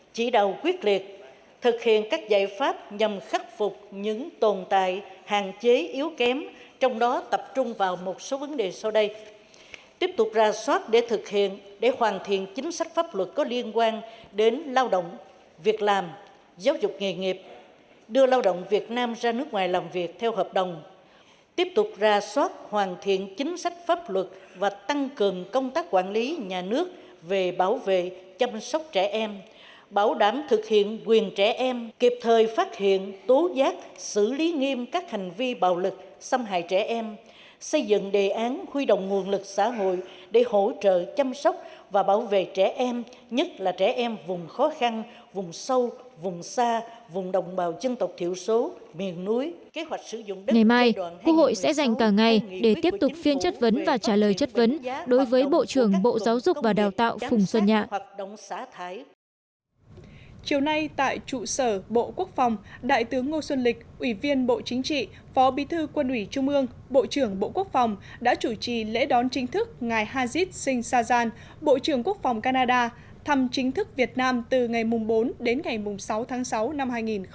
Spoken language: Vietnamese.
chiều nay tại trụ sở bộ quốc phòng đại tướng ngô xuân lịch ủy viên bộ chính trị phó bí thư quân ủy trung ương bộ trưởng bộ quốc phòng đã chủ trì lễ đón chính thức ngày hazit singh sajjan bộ trưởng quốc phòng canada thăm chính thức việt nam từ ngày bốn đến ngày sáu tháng sáu năm hai nghìn một mươi tám